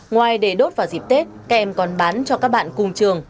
ngoài để đốt vào dịp tết các em còn bán cho các bạn cùng trường